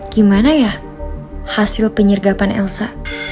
gimana ya hasil penyergapan elsa